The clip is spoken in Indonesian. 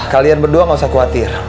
kalian berdua gak usah khawatir